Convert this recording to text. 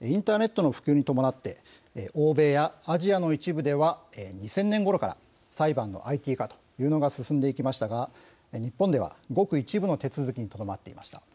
インターネットの普及に伴って欧米やアジアの一部では２０００年ごろから裁判のＩＴ化というのが進んでいきましたが日本では、ごく一部の手続きにとどまっていました。